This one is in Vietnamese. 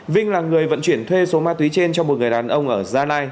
vinh là người vận chuyển thuê số ma túy trên cho một người đàn ông ở gia lai